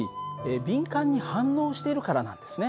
敏感に反応しているからなんですね。